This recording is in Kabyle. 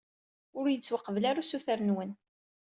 Ur yettwaqbel ara usuter-nwen.